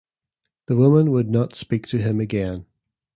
The woman would not speak to him again.